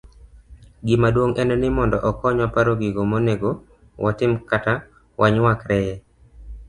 Gimaduong' en ni mondo okonywa paro gigo monego watim kata wanyuakreye